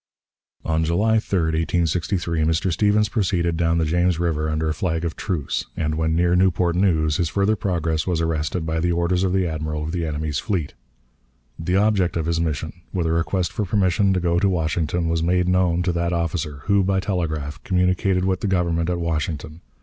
_" On July 3, 1863, Mr. Stephens proceeded down the James River under a flag of truce, and when near Newport News his further progress was arrested by the orders of the Admiral of the enemy's fleet. The object of his mission, with a request for permission to go to Washington, was made known to that officer, who, by telegraph, communicated with the Government at Washington.